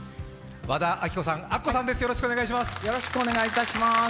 和田アキ子さん、アッコさんです、よろしくお願いします。